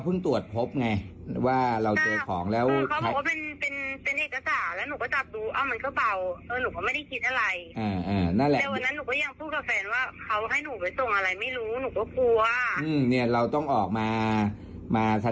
เพิ่งตรวจพบไงว่าเราจะของแล้วอ่ะก็ไม่ได้ไม่รู้ว่าเราต้องออกมามาแสดงความ